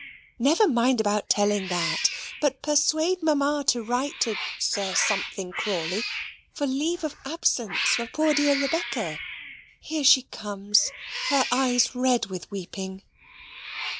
"Never mind about telling that; but persuade Mamma to write to Sir Something Crawley for leave of absence for poor dear Rebecca: here she comes, her eyes red with weeping."